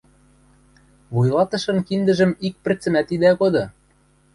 Вуйлатышын киндӹжӹм ик пӹрцӹмӓт идӓ коды!